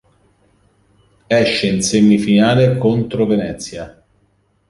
Esce in semifinale contro Venezia.